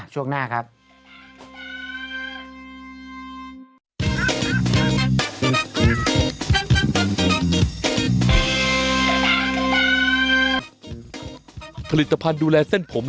ช่วงหน้าครับ